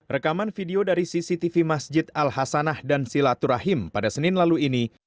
rekaman video dari cctv masjid al hasanah dan silaturahim pada senin lalu ini